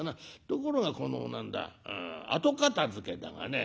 ところがこの何だ後片づけだがね